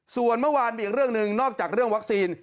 ส่วนเมื่อวานมีอีกเรื่องหนึ่งนอกจากเรื่องวัคซีน